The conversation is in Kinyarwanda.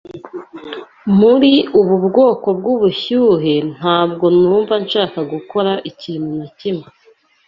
Muri ubu bwoko bwubushyuhe, ntabwo numva nshaka gukora ikintu na kimwe.